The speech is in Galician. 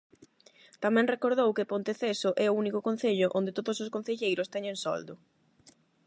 Tamén recordou que Ponteceso é o único concello onde todos os concelleiros teñen soldo.